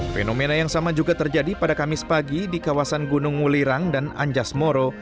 fenomena yang sama juga terjadi pada kamis pagi di kawasan gunung ngulirang dan anjas moro